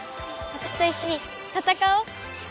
私と一緒に戦おう。